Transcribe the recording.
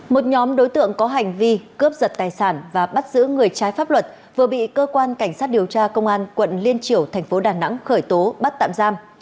một nhóm đối tượng có hành vi cướp giật tài sản và bắt giữ người trái pháp luật vừa bị cơ quan cảnh sát điều tra công an quận liên triểu thành phố đà nẵng khởi tố bắt tạm giam